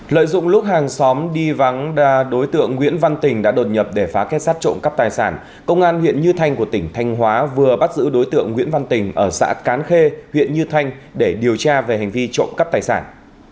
lợi dụng lúc hàng xóm đi vắng đối tượng nguyễn văn tình đã đột nhập để phá kết sát trộm cắp tài sản công an huyện như thanh của tỉnh thanh hóa vừa bắt giữ đối tượng nguyễn văn tình ở xã cán khê huyện như thanh để điều tra về hành vi trộm cắp tài sản